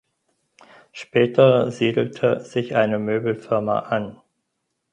Später siedelte sich eine Möbelfirma an.